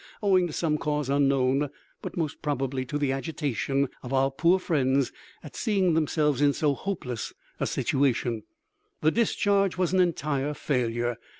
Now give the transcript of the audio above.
Owing to some cause unknown, but most probably to the agitation of our poor friends at seeing themselves in so hopeless a situation, the discharge was an entire failure.